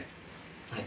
はい。